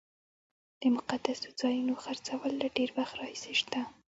د مقدسو ځایونو خرڅول له ډېر وخت راهیسې شته.